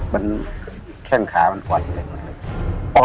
มันแข้งขามันความเสร็จ